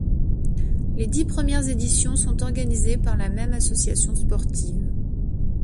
Les dix premières éditions sont organisées par la même association sportive.